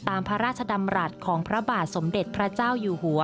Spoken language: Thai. พระราชดำรัฐของพระบาทสมเด็จพระเจ้าอยู่หัว